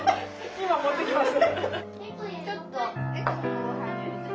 今持ってきます。